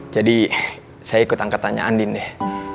jadi saya ikut angkatannya andin deh